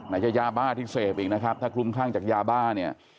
จะยาบ้าที่เสพอีกนะครับถ้าคลุมคลั่งจากยาบ้าเนี่ย